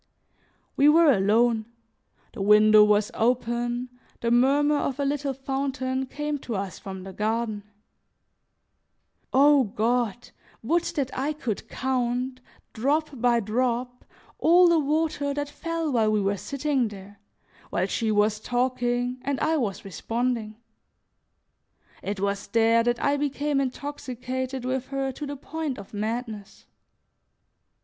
We were alone, the window was open, the murmur of a little fountain came to us from the garden. O God! would that I could count, drop by drop, all the water that fell while we were sitting there, while she was talking and I was responding. It was there that I became intoxicated with her to the point of madness.